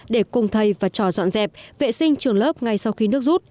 để cùng thầy và trò dọn dẹp vệ sinh trường lớp ngay sau khi nước rút